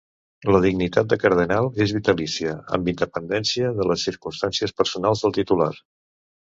La dignitat de cardenal és vitalícia, amb independència de les circumstàncies personals del titular.